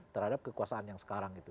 terhadap kekuasaan yang sekarang itu